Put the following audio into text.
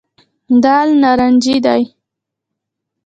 دال نارنجي دي.